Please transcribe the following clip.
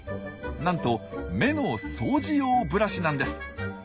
なんと目の掃除用ブラシなんです。